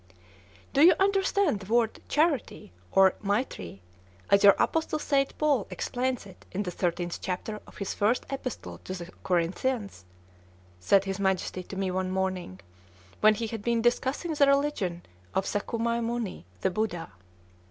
"Do you understand the word 'charity,' or maitrî, as your apostle St. Paul explains it in the thirteenth chapter of his First Epistle to the Corinthians?" said his Majesty to me one morning, when he had been discussing the religion of Sakyamuni, the Buddha.